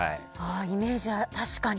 イメージ、確かに。